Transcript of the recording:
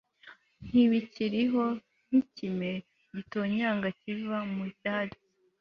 Ntibikiriho nkikime gitonyanga kiva mu byatsi